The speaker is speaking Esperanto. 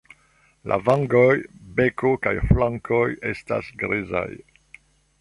La vangoj, beko kaj flankoj estas grizaj.